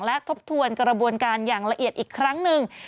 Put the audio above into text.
และทบทวนกระบวนการอย่างละเอียดอีกครั้งหนึ่ง